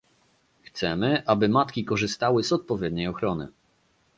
Chcemy, aby matki korzystały z odpowiedniej ochrony